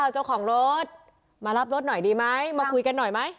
เจ้าของรถมารับรถหน่อยดีไหมมาคุยกันหน่อยไหม